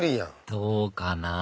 どうかな？